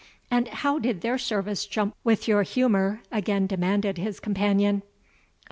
"And how did their service jump with your humour?" again demanded his companion. "O!